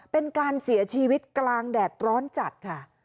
เป็นการเสียชีวิตกลางแดดร้อนจัดค่ะ